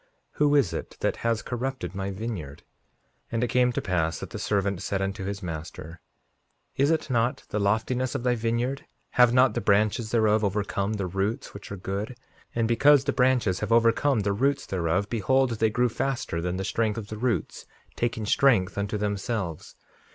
Who is it that has corrupted my vineyard? 5:48 And it came to pass that the servant said unto his master: Is it not the loftiness of thy vineyard—have not the branches thereof overcome the roots which are good? And because the branches have overcome the roots thereof, behold they grew faster than the strength of the roots, taking strength unto themselves.